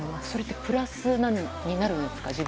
それってプラスになるんですか